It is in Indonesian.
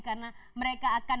karena mereka akan berjalan